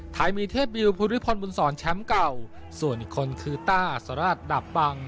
ไทยมีเทพวิวภูริพรบุญศรแชมป์เก่าส่วนอีกคนคือต้าสราชดับบัง